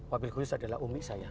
wabil kuis adalah umi saya